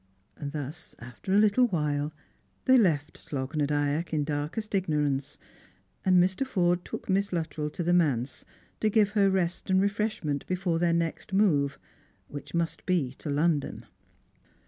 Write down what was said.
Thus, after a little while, they left Slogh na Dyack in darkest ignorance, and Mr. Forde took Miss Luttrell to the manse, to give her rest and refreshment before their next move, which must be to London.